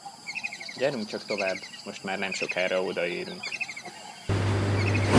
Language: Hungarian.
Gyerünk csak tovább, most már nemsokára odaérünk.